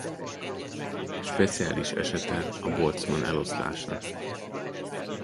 Speciális esete a Boltzmann-eloszlásnak.